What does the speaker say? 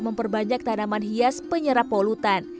memperbanyak tanaman hias penyerap polutan